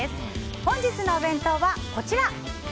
本日のお弁当は、こちら。